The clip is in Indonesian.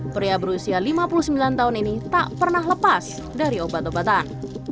pria berusia lima puluh sembilan tahun ini tak pernah lepas dari obat obatan